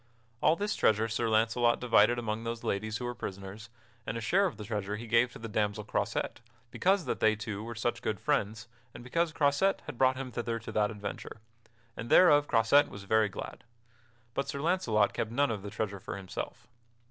All this treasure Sir Launcelot divided among those ladies who were prisoners, and a share of the treasure he gave to the damsel Croisette, because that they two were such good friends and because Croisette had brought him thither to that adventure, and thereof Croisette was very glad. But Sir Launcelot kept none of that treasure for himself.